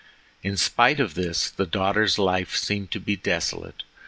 In spite of this the daughter's life seemed to her desolate.